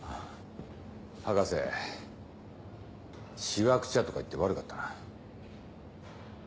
しわくちゃとか言って悪かったな。